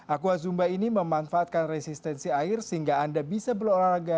aqua zumba ini memanfaatkan resistensi air sehingga anda bisa berolahraga